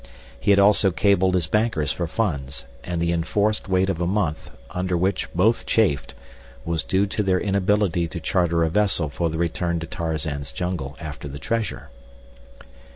He had also cabled his bankers for funds, and the enforced wait of a month, under which both chafed, was due to their inability to charter a vessel for the return to Tarzan's jungle after the treasure.